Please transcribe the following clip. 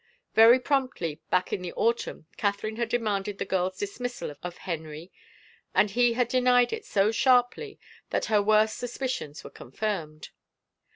Very promptly, back in the autumn, Catherine had demanded the girl's dismissal of Henry, and he had denied it so sharply that her worst suspicions were confirmed.